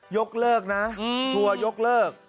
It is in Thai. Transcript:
ยกเลิกนะทัวร์ยกเลิก